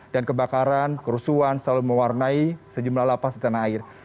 dan kebakaran kerusuhan selalu mewarnai sejumlah lapas di tanah air